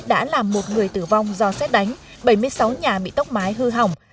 đã làm một người tử vong do xét đánh bảy mươi sáu nhà bị tốc mái hư hỏng